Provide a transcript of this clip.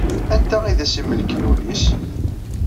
Anta i as-imelken ul-is?